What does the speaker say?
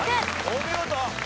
お見事！